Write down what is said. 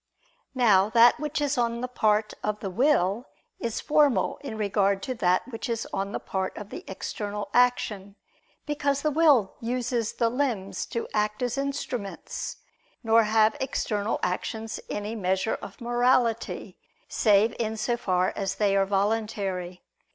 Now that which is on the part of the will is formal in regard to that which is on the part of the external action: because the will uses the limbs to act as instruments; nor have external actions any measure of morality, save in so far as they are voluntary.